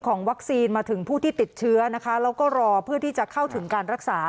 วัคซีนมาถึงผู้ที่ติดเชื้อนะคะแล้วก็รอเพื่อที่จะเข้าถึงการรักษา